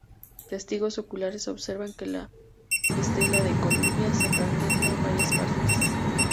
Testigos oculares observan que la estela del Columbia se fragmenta en varias partes.